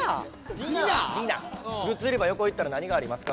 グッズ売り場横行ったら何がありますか？